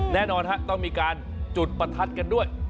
แน่นอนฮะต้องมีการจุดประทัดกันด้วย